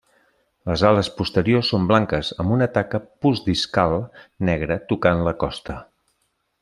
Les ales posteriors són blanques amb una taca postdiscal negra tocant la costa.